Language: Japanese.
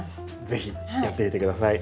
是非やってみて下さい。